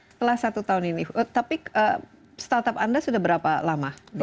setelah satu tahun ini tapi startup anda sudah berapa lama